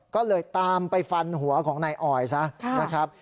ก็เลยตามไปฟันหัวของนายออยซะนะครับ